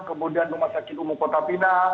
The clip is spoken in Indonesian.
kemudian rumah sakit umum kota pinang